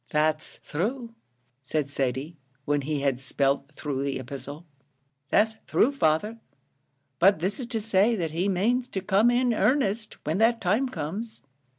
"That's thrue," said Thady, when he had spelt through the epistle; "that's thrue, father; but this is to say that he manes to come in 'arnest, when that time comes."